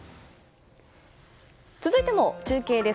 続いても中継です。